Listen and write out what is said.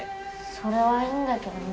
それはいいんだけどね。